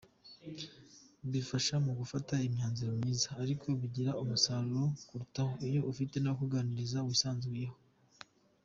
Bifasha mu gufata imyanzuro myiza, ariko bigira umusaruro kurutaho iyo ufite n’abakuganiriza wisanzuyeho.